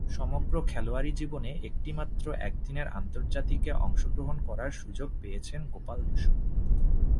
সমগ্র খেলোয়াড়ি জীবনে একটিমাত্র একদিনের আন্তর্জাতিকে অংশগ্রহণ করার সুযোগ পেয়েছেন গোপাল বসু।